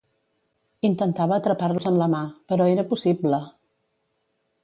Intentava atrapar-los amb la mà, però era possible.